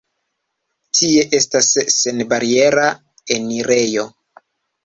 Tie estas senbariera enirejo.